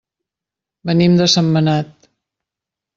Venim de Sentmenat.